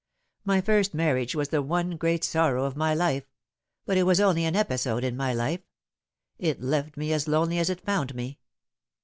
My first marriage was the one great sorrow of my life ; but it was only an episode in my life. It left me as lonely as it found me.